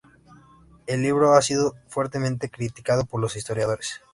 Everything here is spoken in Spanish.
El libro ha sido fuertemente criticado por los historiadores.